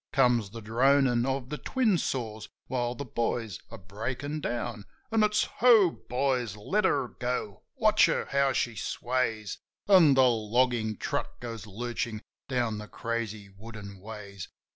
Comes the dronin' of the twin saws while the boys are breakin' down. An' it's : Ho, boys ! Let her go! Watch her, how she sways ! An' the loggin' truck goes lurchin' down the crazy wooden ways.